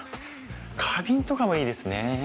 花瓶とかもいいですね。